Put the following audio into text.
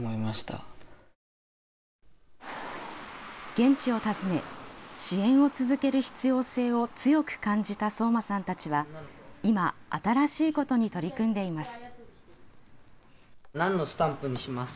現地を訪ね支援を続ける必要性を強く感じた聡真さんたちは、今新しいことに取り組んでいます。